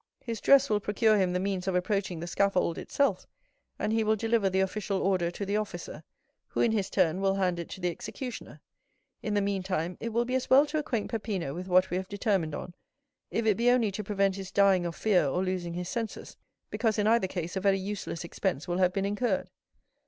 His dress will procure him the means of approaching the scaffold itself, and he will deliver the official order to the officer, who, in his turn, will hand it to the executioner; in the meantime, it will be as well to acquaint Peppino with what we have determined on, if it be only to prevent his dying of fear or losing his senses, because in either case a very useless expense will have been incurred."